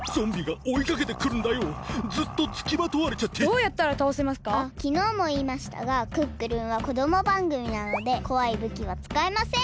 あっきのうもいいましたが「クックルン」はこどもばんぐみなのでこわいぶきはつかえません。